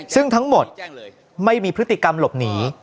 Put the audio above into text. ซึ่งทั้งหมดไม่มีพฤติกรรมหลบหนี